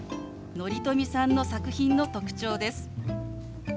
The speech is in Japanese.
乘富さんの作品の特徴です。